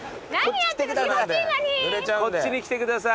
こっち来てください。